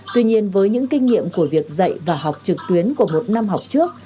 tuy nhiên với những kinh nghiệm của việc dạy và học trực tuyến của một năm học trước